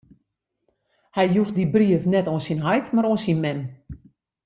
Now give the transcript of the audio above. Hy joech dy brief net oan syn heit, mar oan syn mem.